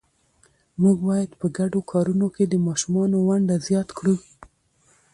موږ باید په ګډو کارونو کې د ماشومانو ونډه زیات کړو